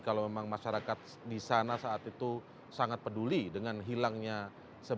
kalau memang masyarakat di sana saat itu sangat peduli dengan hilangnya sebuah